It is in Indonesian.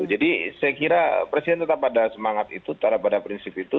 jadi saya kira presiden tetap ada semangat itu tetap ada prinsip itu